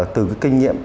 từ cái kinh nghiệm